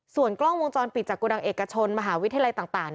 ส่วนกล้องวงจรปิดจากโกดังเอกชนมหาวิทยาลัยต่าง